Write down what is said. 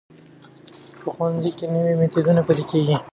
په ښوونځیو کې نوي میتودونه پلي کېږي.